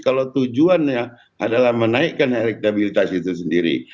kalau tujuannya adalah menaikkan elektabilitas itu sendiri